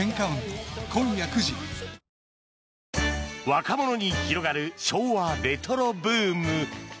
若者に広がる昭和レトロブーム。